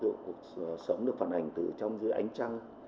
được cuộc sống được phản ảnh từ trong dưới ánh trăng